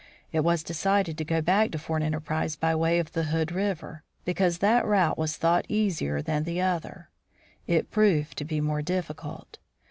It was decided to go back to Fort Enterprise by way of the Hood river, because that route was thought easier than the other; it proved to be more difficult.